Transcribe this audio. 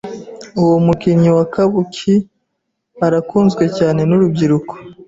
Uwo mukinnyi wa Kabuki arakunzwe cyane nurubyiruko.